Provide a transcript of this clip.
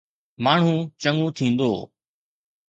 ماڻهو چڱو ٿيندو.